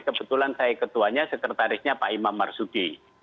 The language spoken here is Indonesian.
kebetulan saya ketuanya sekretarisnya pak imam marsudi